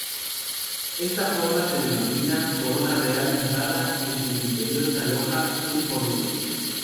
Esta forma se denomina corona real cerrada, en cuyo interior se aloja un bonete.